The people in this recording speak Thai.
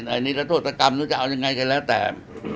อันนี้รัฐโทษกรรมหรือจะเอายังไงก็แล้วแต่